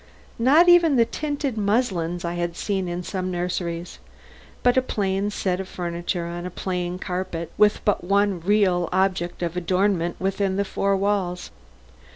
Not even the tinted muslins I had seen in some nurseries; but a plain set of furniture on a plain carpet with but one object of real adornment within the four walls.